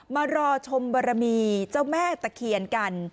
มารอชมบรมีเจ้าแม่ตะเคียนกัน